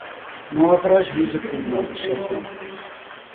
não haverá juízo ou tribunal de exceção;